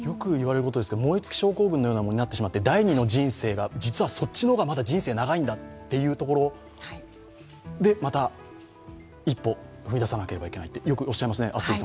燃えつき症候群のようなものになってしまって第二の人生が実はそっちの方が実はまだ人生が長いんだというところで、また一歩踏み出さなきゃいけないと、アスリートの皆さんはよくおっしゃいますね。